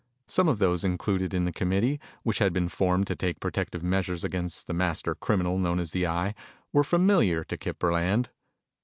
Some of those included in the committee which had been formed to take protective measures against the master criminal known as the Eye, were familiar to Kip Burland.